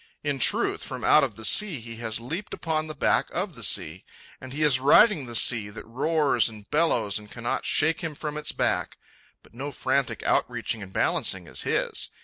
In truth, from out of the sea he has leaped upon the back of the sea, and he is riding the sea that roars and bellows and cannot shake him from its back. But no frantic outreaching and balancing is his.